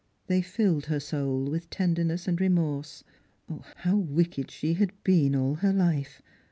They filled her soul with tenderness and remorse. How wicked (he had been all her life